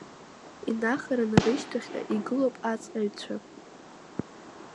Инахараны рышьҭахьҟа игылоуп аҵҟьаҩцәа.